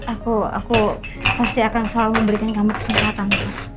aku aku pasti akan selalu memberikan kamu kesempatan terus